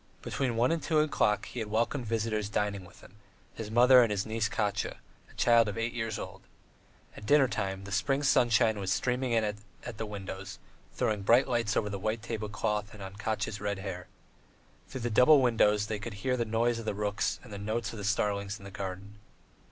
Between one and two o'clock he had welcome visitors dining with him his mother and his niece Katya, a child of eight years old. All dinner time the spring sunshine was streaming in at the windows, throwing bright light on the white tablecloth and on Katya's red hair. Through the double windows they could hear the noise of the rooks and the notes of the starlings in the garden.